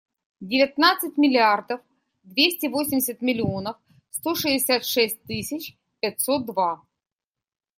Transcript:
Девятнадцать миллиардов двести восемьдесят миллионов сто шестьдесят шесть тысяч пятьсот два.